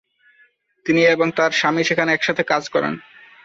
তিনি এবং তার স্বামী সেখানে একসাথে কাজ করেন।